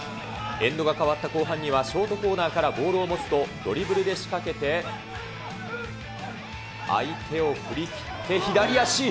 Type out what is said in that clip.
エンドが変わった後半には、ショートコーナーからボールを持つと、ドリブルで仕掛けて、相手を振り切って左足。